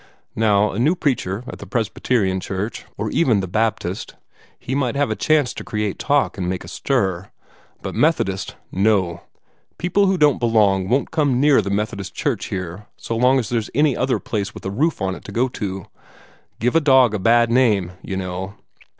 Now, a new preacher at the Presbyterian church, or even the Baptist he might have a chance to create talk, and make a stir. But Methodist no! People who don't belong won't come near the Methodist church here so long as there's any other place with a roof on it to go to. Give a dog a bad name, you know.